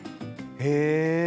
へえ。